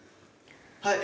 はい！